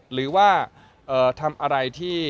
หรือว่าทำอะไรที่